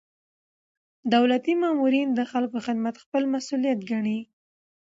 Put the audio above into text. دولتي مامورین د خلکو خدمت خپل مسؤلیت ګڼي.